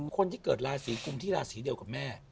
คนที่เกิดราศีกุมที่ราศีเดียวกับแม่